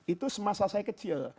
itu semasa saya kecil